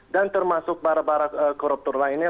dan termasuk para para koruptur lainnya